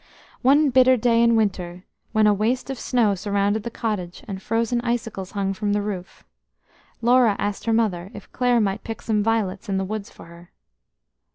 One bitter day in winter, when a waste of snow surrounded the cottage, and frozen icicles hung from the roof, Laura asked her mother if Clare might pick some violets in the woods for her.